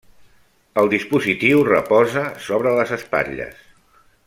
El dispositiu reposa sobre les espatlles.